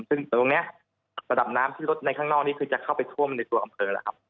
ซึ่งตรงนี้ระดับน้ำที่ลดในข้างนอกนี้คือจะเข้าไปท่วมในตัวอำเภอแล้วครับ